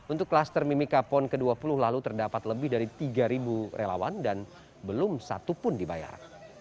untuk klaster mimika pon ke dua puluh lalu terdapat lebih dari tiga relawan dan belum satu pun dibayar